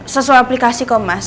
sesuai aplikasi kok mas